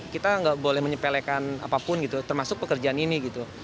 kita nggak boleh menyepelekan apapun gitu termasuk pekerjaan ini gitu